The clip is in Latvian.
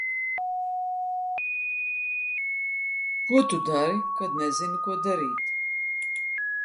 Ko tu dari, kad nezini, ko darīt?